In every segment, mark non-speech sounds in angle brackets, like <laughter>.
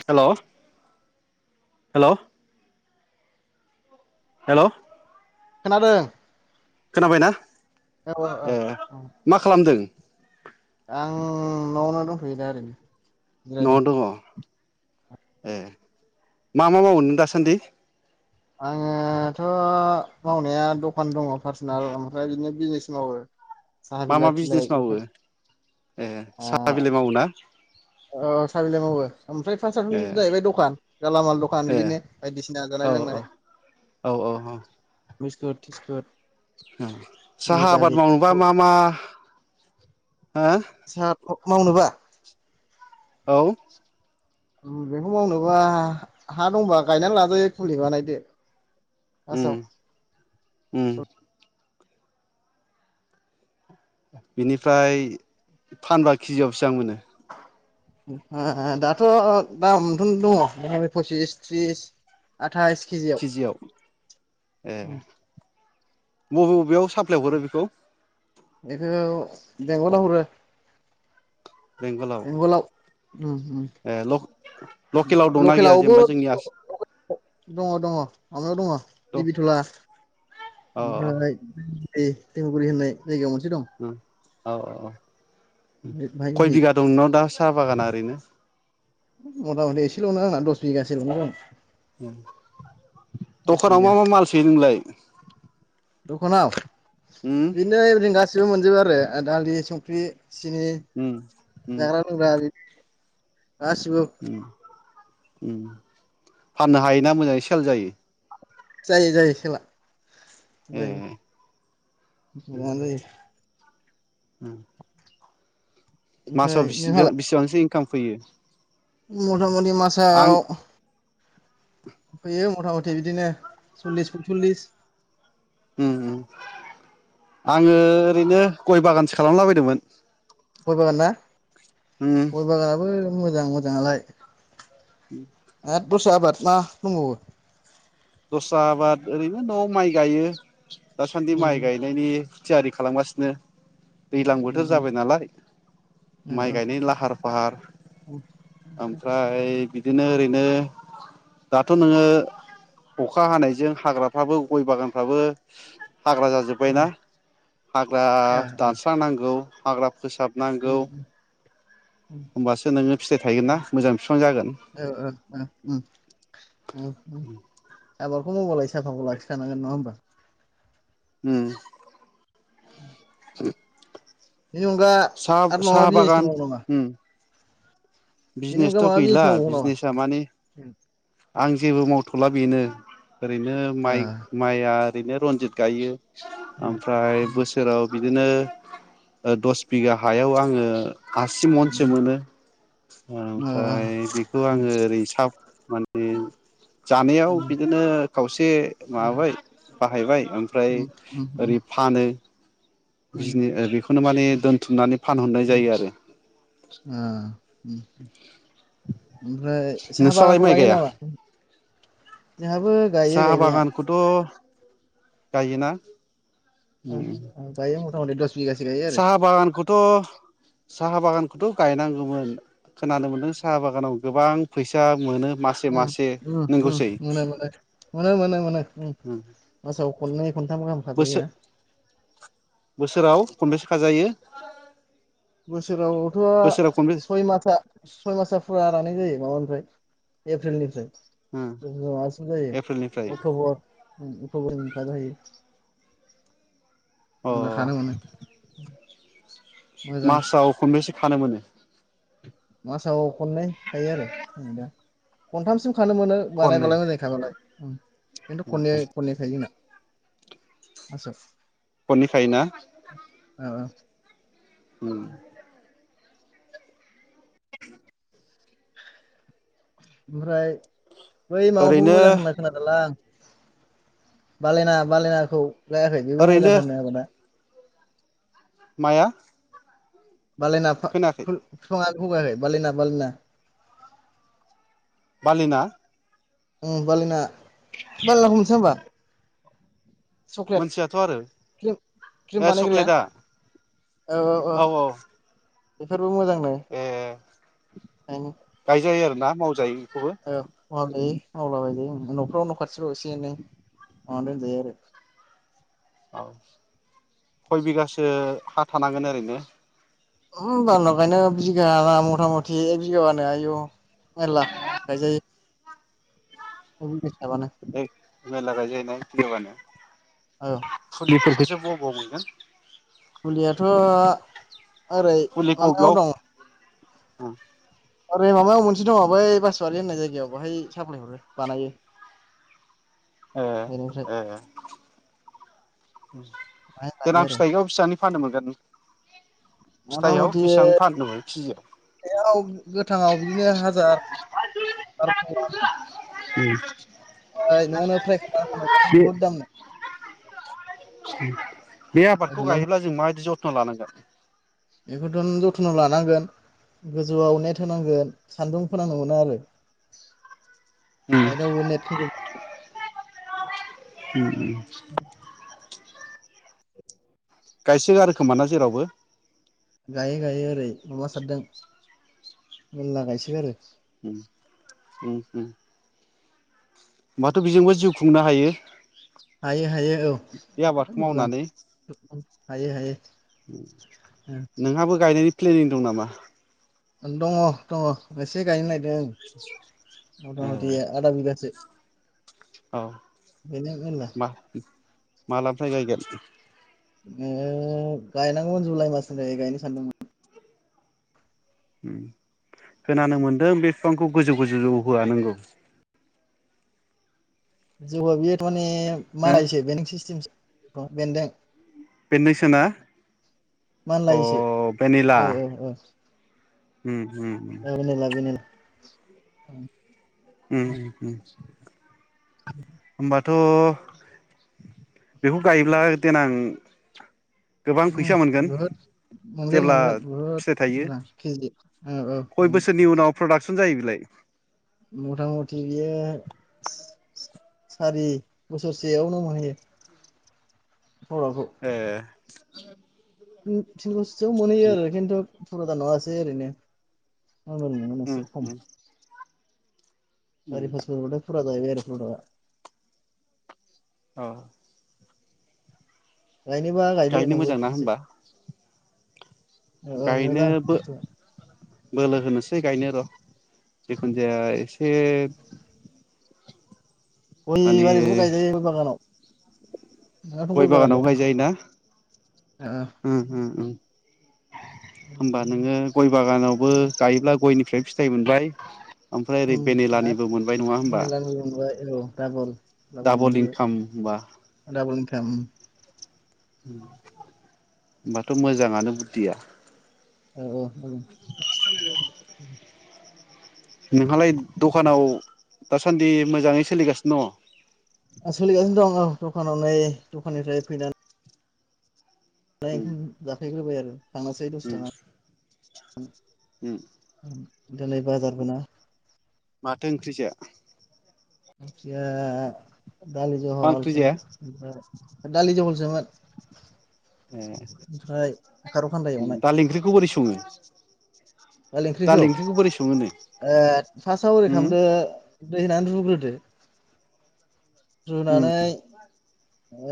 हेल' हेल' हेल' खोनादों खोनाबायना औ औ ए औ मा खालामदों? आं न'आवनो दंथ'यो दा ओरैनो जिरायदों न'आव दङ' ए मा मा मावो नों दासान्दि आङोथ' मावनाया दखान दङ' पार्सनेल ओमफ्राय बिनिया बिलि सो मावो साहा मा मा बिलाइ थिलाइ बिजनेस मावो बेफोर ए ओ साहा बिलाइ मावो ना औ साबिलाइ मावो ओमफ्राय फाससानो ए जाहैबाय दखान गेलामाल दखान ए बिदिनो बायदिसिना जानाय औ लोंनाय औ औ बिस्कुट टिस्कुट ओम साहा आबाद मावनोबा मा मा हो साहा मावनोबा औ बेखौ मावनोबा हा दंबा गायनानै लाजायो खुलि बानायदो उम फार्स्टआव उम बिनिफ्राय फानबा केजियाव सिबां मोनो आ आ दाथ' दामाथ' दङ' फसिस त्रिस आ थाइस केजियाव ए ओम बबे बबेयाव साप्लाय हरो बेखौ बेखौ बेंगलाव हरो बेंगलाव उम उम ए लक-लकेलाव दंना गैया लकेलावबो जेनेबा जोंनि आस दङ दङ माबायाव दङ दिबिथला अ ओमफ्राय दि दैमुगुरि होननाय जायगायाव मोनसे दं ओ औ औ औ बाहाय खय होयो बिघा दं न दा साहा बागाना ओरैनो? मथा मथि एसेल' ना आंना दस बिगसे ल' जागोन दखानाव बिगा मा मा माल सोयो नोंलाय? दखनाव? <unintelligible> उम बो मोनजोबो आरो ओ दालि संख्रि सिनि उम उम जाग्रा लोंग्रा बि <inaudible> गासिबो उम उम फाननो हायोना मोजाङै सेल जायो? जायो जायो सेला ए बेै <unintelligible> उम मास ओमफ्राय बिसि बिसिबांसो खामफैयो? मथामुथि मासाव फैयो मथा मथि बिदिनो सल्लिस पयसल्लिस उम उम आङो ओरैनो गय बागानसो खालामला बायदोंमोन। गय बागान ना? गय बागानाबो मोजां मोजाङालाय उम आद दस्रा आबाद मा दंबावो? दस्रा आबाद ओरैनो न'आव माइ गायो दासान्दि उम माइ गायनायनि थियारि खालामगासिनो दैज्लां उम बोथोर उम जाबाय नालाय ओ माइ ओ गायनायनि लाहार फाहार उम आतसा ओमफ्राय बिदिनो ओरैनो दाथ' नोङो अखा हानायजों हाग्राफ्राबो गय बागानफ्राबो हाग्रा ओ जाजोब्बायना हाग्रा ओ ओ दानस्रांनांगौ हाग्रा फोसाबनांगौ उम उम होमबासो नोङो फिथाइ थायगोन ना उम मोजां बिफां जागोन औ औ ओ उम उम उम आबाब खो मावबालाय साफाखौ लाखिखानांगोन नङा होमबा? उम <unintelligible> <inaudible> बेनि अनगा साहा आरो माबा साहा बिजनेस बागान दंबावो नामा उम बेनि अनगा बिजनेसथ' माबा गैला बिजनेस मावबावो नामा बिजनेसा माने आं जेबो मावथ'ला बेनो ओरैनो माइ ओ माइआ ओरैनो रनजित गायो ओ ओमफ्राय उम बोसोराव बिद बिदिनो दस बिगा हायाव आङो आसि मनसो मोनो उम ओ ओमफ्राय बेखौ उम आङो ओरै साब <inaudible> जानायाव उम बिदिनो खावसे माबाबाय बा हायबाय ओमफ्राय ओरै फानो बिजिनो ओ बेखौनो माने दोनथुमनानै फानहरनाय जायो आरो उम ओमफ्राय साहा नोंस्रालाय बागानखौ माइ गायो गाया नामा जोंहाबो गायो साहा गायनाया बागानखौथ' गायोना ओम गायो मथा मथि दस बिगासो गायो आरो साहा बागानखौथ' साहा बागान खौथ' गायनांगौमोन खोनानो मोन्दों साहा बागानाव गोबां फैसा मोनो मासे अ मासे उम उम नंगौसै मोनालाय मोनो मोनो मोनो उम मासाव अननै बोसो बोसोराव खनबेसे खाजायो? बोसोरावथ' बोसोराव खनबे सय मासा सय मासा फुरा लानाय जायो माबा फ्राय एप्रिलनिफ्राय। ओ जायो एप्रिलनिफ्राय अक्ट'बर ओम अक्टबरनि <unintelligible> अ मोजां मासाव खनबसे थानो मोनो। मासाव खननै थायो आरो आं दा खनथामसिम खानो मोनो खननै बानायबालाय मोजाङै खाबालाय ओं खिन्थु खननै खननै खायो जोंना। आसा खननै खायोना? ओ <inaudible> ओमफ्राय बै माबाखौबो ओरैनो मोजां होनना खोनादोलां बालायना बालायनाखौ। लायाखै? बेबो ओरैनो मोजां थारनो आबदा। माया? बालायना फा खोनायाखै खो फिफाङा <unintelligible> बालिना बालिना। बालिना? उम बालिना बालिनाखौ मोनथिया होमबा? चक्लेट मोनथियाथ' आरो क्रिम क्रिम ए बानायग्राया चक्लेटआ औ औ। <unintelligible> ए गायनो। गायजायो आरोना? मावजायो। बेखौबो औ। माव जायो मावलाबाय जायो न'फ्राव न' खाथिफ्राव एसे एनै माबानानै दोनजायो आरो। औ खय बिगासो हा थानांगोन ओरैनो? ओम बारा गायनाङा बिगाबा मथा मथि एक बिगाबानो आयु मेर्ला गायजायो। <unintelligible> गायबानो। मेर्ला गायजायो ने एक बिगाबानो? औ। <unintelligible> खोसो बबाव मोनगोन? थ' ओरै फुलिखौ माबायाव बबेयाव दं ओरै माबायाव मोनसे दङ बै बासवारि होननाय जायगायाव बहाय साप्लाय हरो बानायो। ए बेनिफ्राय ए। बाहाय लायो देनां आरो फिथाइखौ बिसानि फाननो मोनगोन? मथा फिथाइयाव मथि बेसेबां फाननो मोनो केजियाव <unintelligible> <unintelligible> बिदिनो हा <unintelligible> बे <unintelligible> <unintelligible> बे आबादखौ बायस'ना गायोब्ला जों माबायदि लानांगोन बेफोरफोरखौनो जोथन'' लानांगोन गोजौआव नेट होनांगोन सानदुं फोनांनो मोना आरो <unintelligible> उम। <unintelligible> गायसो गारो खोमा ना जेरावबो। गायो गायो ओरै अमा सारदों मेरला गायसोगारो। उम उम। होमबाथ' बेजोंबो जिउ खुंनो हायो। हायो हायो औ बे आबादखौ मोजां। मावनानै हायो हायो। नोंहाबो गायनायनि प्लेनिं दं नामा? दङ दङ एसे गायनो नागिर ए मथा मथि आधा बिगासो। औ बेनो मेरला मा मालानिफ्राय गायगोन? ओ गायनांगौमोन जुलाइ मासनिफ्राय गायनो सानदोंमोन। खोनानो मोन्दों बे बिफांखौ गोजौ गोजौ जौहोआ नंगौ। <unintelligible> <unintelligible> अह हो बेन्दों बेनदोंसोना? मानलायोसो औ औ औ। ओम। <unintelligible> औ ओम ओम होमबा थ' बेखौ गायोब्ला देनां गोबां फैसा मोनगोन बहुद मोनगोन जेब्ला मोनगोन बहुद फिथाइ थायो मोजां केजि औ औ बेफोरलाय मथा मथि बियो सा-सारि बोसोरसेयावनो मोनहैयो। ए <inaudible> <unintelligible> थिन बोसोरसोयाव मोनहैयो आरो खिन्थु <unintelligible> नङासै ओरैनो। <unintelligible> उम एसे खम उम उम सारि <unintelligible> फुरा जाहैबाय आरो प्रदाका आ गायनोबा गायदो गायनो नोंबो मोजां ना खोनसे होमबा गायनोबो बोलो होनोसै गायनो र'। जिखुनु जाया एसे गय माने बारिखौबो गायजायो बे बागानाव नोंनाथ' गय बागान बागानाव दं गायजायोना। होमबा आरो नोङो गय बागानाव बो गायोब्ला गयनिफ्राय फिथाइ मोनबाय। ओमफ्राय औ ओरै <unintelligible> भेनिलानिबो मोनबाय नङा होमबा बेनिलानिबो मोनबाय औ दाबल दाबल डाबल मोनहैबाय। इनकाम होमबा <unintelligible> होनबाथ' मोजाङानो बुद्धिया। औ औ <inaudible> नोंहालाय दखानाव दासान्दि मोजाङै सोलिगासिनो दङ। सोलिगासिनो दं औ दखानाव नै दखाननिफ्राय फैनानै <unintelligible> <unintelligible> दङ होबाय आरो थांनोसै दसे उम थाना। उम उम उम माथो ओंख्रि जाया ओंख्रिया दालि मा ओंख्रि जाया जहलसोमोन ओमफाय ला जलसमोनोन। खारौ खान्दाय ए एवनाय दालि ओंख्रिखौ बोरै सङो? दालि ओंख्रिखौ ओ फार्स्टआव ओरै उम खालामदो दै होना रुग्रोदो उम रुनानै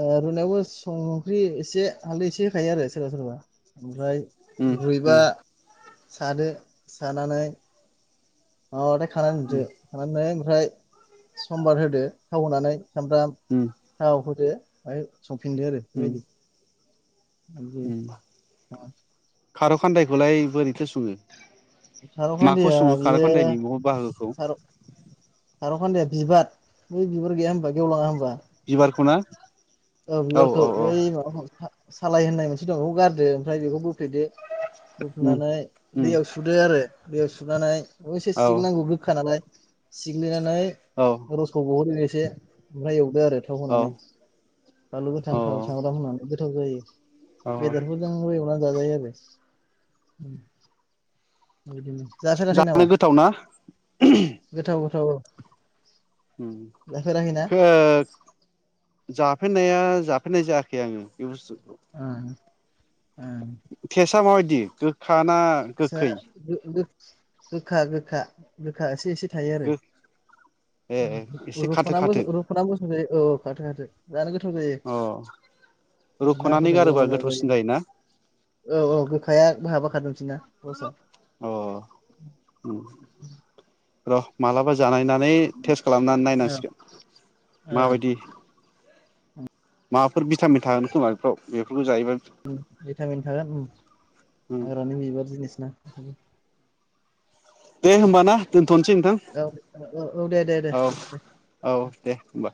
ओ रुनायावबो संख्रि एसे हालदै एसे होखायो आरो सोरबा सोरबा ओमफ्राय उम रुइबा उम सादो सानानै अह खानानैसो उम खानानै ओमफ्राय समबार होदो थाव होनानै। सामब्राम उम थाव होदो। ओमफ्राय संफिनदो आरो उम बेबायदि हायजें उम <unintelligible> खार' खान्दायखौलाय बोरैथो सङो? माखौ खारखान्दाया सङो खार' बेयो खान्दायनि म बाहागोखौ खार' खार'खान्दाया बिबार बै बिबार गैया होनबा गेवलाङा होमबा? बिबारखौना? औ बिबारखौै बै माबाखौ <unintelligible> सालाय होननाय मोनसे दं बेखौ गारदो ओमफ्राय बेखौ बो दुफैदो उम लुखुनानै उम दैयाव सुदो आरो दैयाव सुनानै बेखौ एसे औ सिग्लिनांगौ गोखा नालाय सिग्लिनानै औ रसखौ बहनग्रो एसे ओमफ्राय एवदो आरो थाव औ होनानै। बानलु गोथां औ थाव सामब्राम होनानै गोथाव जायो। औ बेदरफोरजोंबो एवनानै जाजायो आरो। उम <unintelligible> जानो गोथावना <inaudible> औ उम <inaudible> जाफेरनाया जाफेरनाय जायाखै आङो बे बुस्थु ओं फेस <unintelligible> दा माबायदि साना गोखै गोखा गोखा गोखाएसे एसे थायो आरो गो ए एसे खाथो रुखना खाथो रुखना बोसाव जायो औ खाथो खााथो जानो गोथाव अ जायो रुख'नानै नाफोरजों बे गारोबा उनाव जाबायो गोथावसिन जायोना औ औ गोखाया बहाबा खादों थिना अ उम <unintelligible> र माला बा जानायनानै टेस्ट खालामनानै औ नायनांसिगोन ओ माबायदि माबाफोर भिटामिन थागोन खोमा बेफ्राव बेफोर भिटामिन थागोन हाग्रानि बिबार जिनिस ना बे दे होमब ना दोन्थ'नोसै नोंथां औ औ औ दे दे औ दे औ दे होमबा